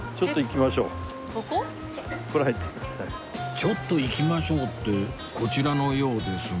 「ちょっと行きましょう」ってこちらのようですが